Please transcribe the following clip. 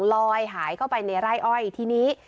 ลอยหายเข้าไปในไร่อ้อยทีนี้